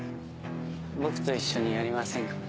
僕と一緒にやりませんか？